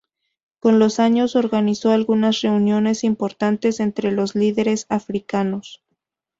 Con los años organizó algunas reuniones importantes entre los líderes africanos.